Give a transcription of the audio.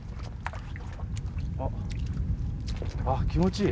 あっ気持ちいい！